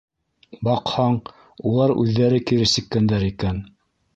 Баҡһаң, улар үҙҙәре кире сиккәндәр икән.